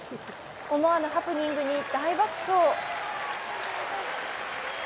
思わぬハプニングに大爆笑。